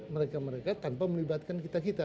mereka mereka tanpa melibatkan kita kita